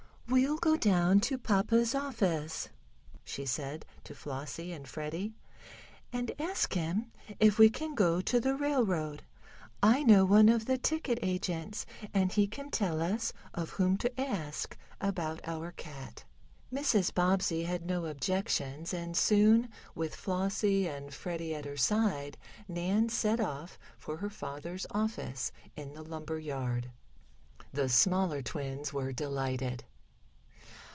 "We'll go down to papa's office," she said to Flossie and Freddie, "and ask him if we can go to the railroad. I know one of the ticket agents and he can tell us of whom to ask about our cat." Mrs. Bobbsey had no objections, and soon, with Flossie and Freddie at her side, Nan set off for her father's office in the lumber yard. The smaller twins were delighted.